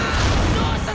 どうした？